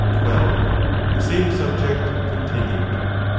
XIL—The same subject continued.)